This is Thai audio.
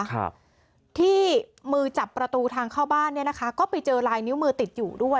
ครับที่มือจับประตูทางเข้าบ้านเนี้ยนะคะก็ไปเจอลายนิ้วมือติดอยู่ด้วย